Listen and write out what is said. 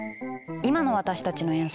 今の私たちの演奏はこう。